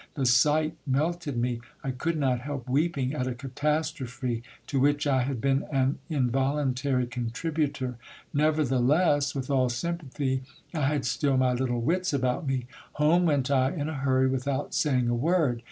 The sight melted me. I could not help, weeping at a catastrophe to which I had been an involuntary contributor. Nevertheless, with all sympathy, I had still my little wits about me Home went I in a hurry, without saying a word.